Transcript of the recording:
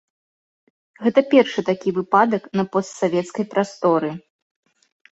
Гэта першы такі выпадак на постсавецкай прасторы.